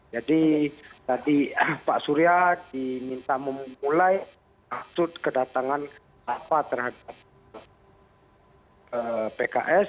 jadi tadi pak asura diminta memulai atut kedatangan apa terhadap pks